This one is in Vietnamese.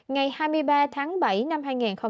ngày hai mươi ba tháng bảy năm hai nghìn hai mươi